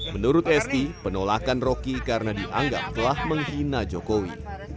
menurut esti penolakan rocky karena dianggap telah menghina jokowi